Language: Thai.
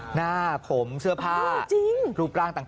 หน้าผมเสื้อผ้ารูปร่างต่าง